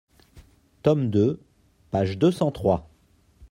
Tome deux, page deux cent trois.